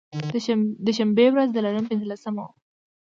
د شبې و رځ د لړم پنځلسمه وه.